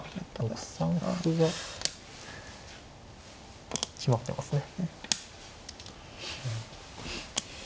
６三歩が決まってますね。